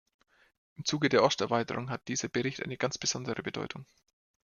Im Zuge der Osterweiterung hat dieser Bericht eine ganz besondere Bedeutung.